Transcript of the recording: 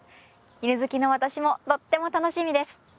犬好きの私もとっても楽しみです。